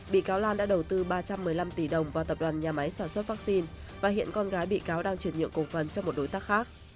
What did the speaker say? bị cáo lan đã đầu tư ba trăm một mươi năm tỷ đồng vào tập đoàn nhà máy sản xuất vaccine và hiện con gái bị cáo đang chuyển nhượng cổ phần cho một đối tác khác